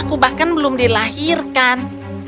aku bahkan belum dilahirkan